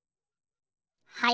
はい。